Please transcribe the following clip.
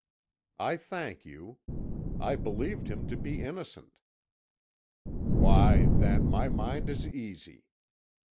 "I thank you. I believed him to be innocent." "Why, then, my mind is easy.